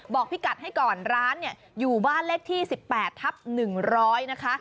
พี่กัดให้ก่อนร้านเนี่ยอยู่บ้านเลขที่๑๘ทับ๑๐๐นะคะ